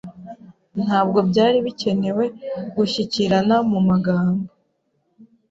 Ntabwo byari bikenewe gushyikirana mu magambo